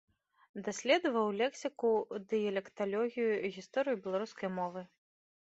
Даследаваў лексіку, дыялекталогію, гісторыю беларускай мовы.